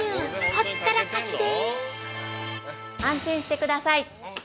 ほったらかしで。